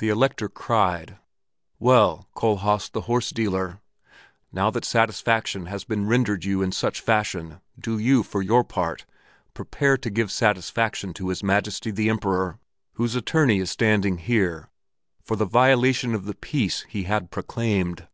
The Elector cried, "Well, Kohlhaas the horse dealer, now that satisfaction has been rendered you in such fashion, do you, for your part, prepare to give satisfaction to His Majesty the Emperor, whose attorney is standing here, for the violation of the peace he had proclaimed!"